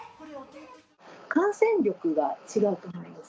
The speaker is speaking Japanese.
感染力が違うと思います。